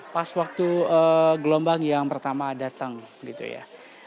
pas waktu gelombang yang pertama datang gitu ya